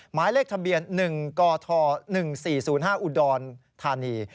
หมายเลขทะเบียน๑กท๑๔๐๕อุดรธานี